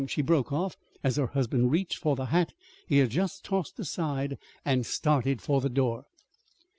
she broke off, as her husband reached for the hat he had just tossed aside, and started for the door.